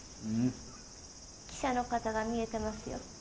記者の方が見えてますよ。